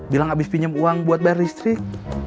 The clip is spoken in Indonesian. bilang habis pinjem uang buat bayar listrik